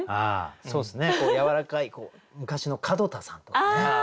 そうですねやわらかい昔の門田さんとかね。